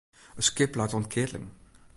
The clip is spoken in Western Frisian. It skip leit oan 't keatling.